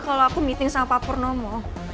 kalau aku meeting sama papurnomo